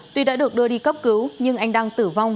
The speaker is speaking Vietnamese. tuy đã được đưa đi cấp cứu nhưng anh đăng tử vong